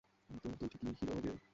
কিন্তু তুই ঠিকি হিরো হবিরে।